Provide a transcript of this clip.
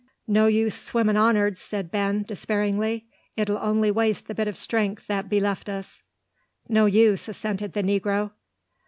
"No use swimmin' on'ards!" said Ben, despairingly. "It'll only waste the bit of strength that be left us." "No use," assented the negro.